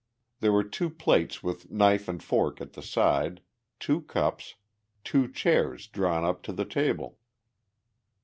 There were two plates with knife and fork at the side, two cups, two chairs drawn up to the table.